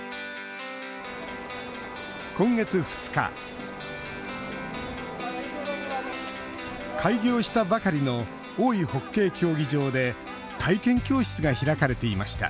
今月２日開業したばかりの大井ホッケー競技場で体験教室が開かれていました